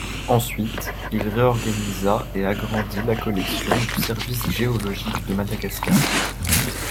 Ensuite, il réorganisa et agrandit la collection du Service Géologique de Madagascar.